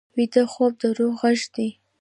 ویده خوب د روح غږ دی